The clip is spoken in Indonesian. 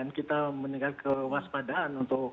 dan kita meningkat kewaspadaan untuk